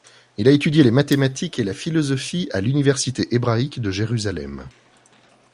Il a étudié les mathématiques et la philosophie à l'université hébraïque de Jérusalem.